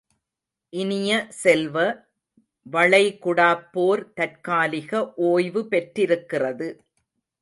இனிய செல்வ, வளைகுடாப்போர், தற்காலிக ஓய்வு பெற்றிருக்கிறது.